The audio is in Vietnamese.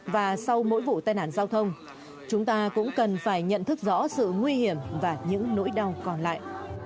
và sau mỗi vụ tai nạn giao thông chúng ta cũng cần phải nhận thức rõ sự nguy hiểm và những nỗi đau còn lại